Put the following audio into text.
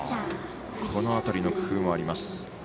この辺りの工夫もあります。